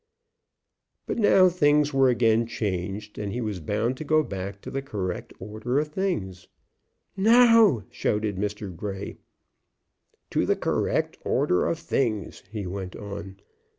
But now things were again changed, and he was bound to go back to the correct order of things. "No!" shouted Mr. Grey. "To the correct order of things," he went on.